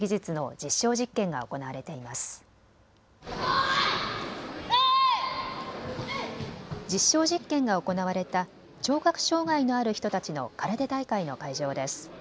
実証実験が行われた聴覚障害のある人たちの空手大会の会場です。